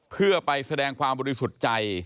เพื่อไปแสดงความบริสุทธิ์ใจ